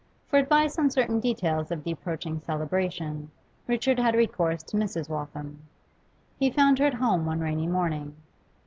For advice on certain details of the approaching celebration Richard had recourse to Mrs. Waltham. He found her at home one rainy morning.